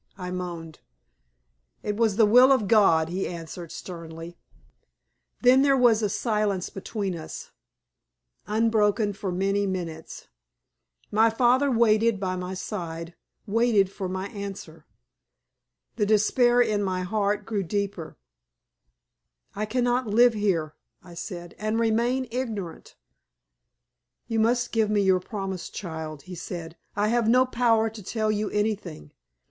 I moaned. "It was the will of God," he answered, sternly. Then there was a silence between us, unbroken for many minutes. My father waited by my side waited for my answer. The despair in my heart grew deeper. "I cannot live here," I said, "and remain ignorant." "You must give me your promise, child," he said. "I have no power to tell you anything.